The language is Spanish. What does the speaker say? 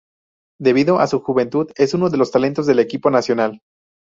Debido a su juventud, es uno de los talentos del equipo nacional.